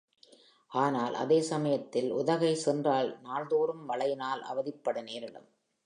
ஆனால் அதே சமயத்தில் உதகை சென்றால் நாள் தோறும் மழையினால் அவதிப்பட நேரிடும்.